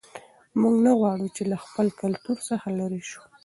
موږ نه غواړو چې له خپل کلتور څخه لیرې سو.